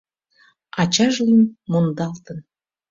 Ачаж лӱм мондалтын.